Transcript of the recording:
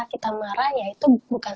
kita marah ya itu bukan